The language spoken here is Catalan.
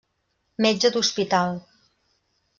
Metge d'hospital.